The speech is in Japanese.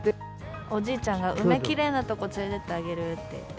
おじいちゃんが、梅きれいな所連れて行ってあげるって言って。